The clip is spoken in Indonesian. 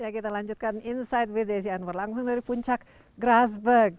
kita lanjutkan insight with desi anwar langsung dari puncak grasberg